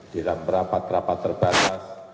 dalam rapat rapat terbatas